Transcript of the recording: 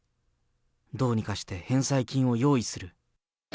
どうにかして返済金を用意する。